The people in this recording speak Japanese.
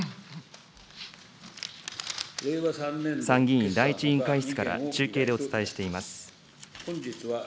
参議院第１委員会室から中継でお伝えしています。